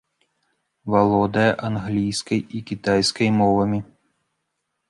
Валодае англійскай і кітайскай мовамі.